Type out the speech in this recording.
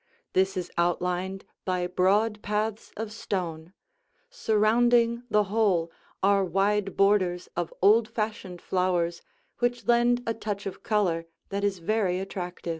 This is outlined by broad paths of stone; surrounding the whole are wide borders of old fashioned flowers which lend a touch of color that is very attractive.